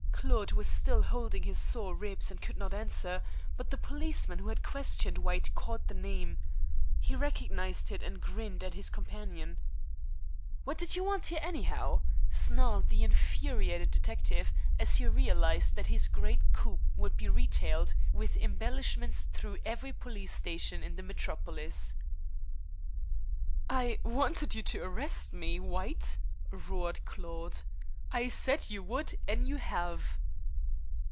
Claude was still holding his sore ribs and could not answer; but the policeman who had questioned White caught the name. He recognized it, and grinned at his companion. "What did you want here, anyhow?" snarled the infuriated detective, as he realized that his great coup would be retailed with embellishments through every police station in the metropolis. "I w wanted you to ar r rest me, W White," roared Claude. "I s said you would, and you have."